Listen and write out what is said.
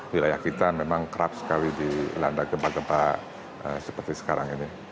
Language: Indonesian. wilayah kita memang kerap sekali dilanda gempa gempa seperti sekarang ini